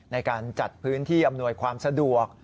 ในการจัดพื้นที่อำนวยความสะดวก